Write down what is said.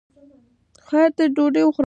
ایا د تیتانوس واکسین مو کړی دی؟